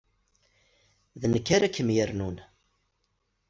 D nekk ara kem-yernun.